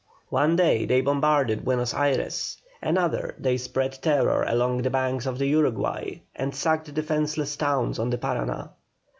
One day they bombarded Buenos Ayres, another they spread terror along the banks of the Uruguay, and sacked defenceless towns on the Parana.